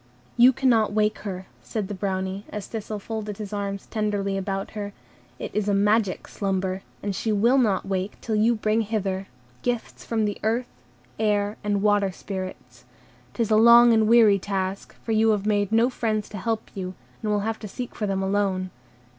"You cannot wake her," said the Brownie, as Thistle folded his arms tenderly about her. "It is a magic slumber, and she will not wake till you shall bring hither gifts from the Earth, Air, and Water Spirits. 'T is a long and weary task, for you have made no friends to help you, and will have to seek for them alone.